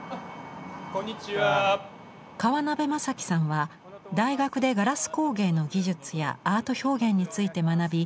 川邉雅規さんは大学でガラス工芸の技術やアート表現について学び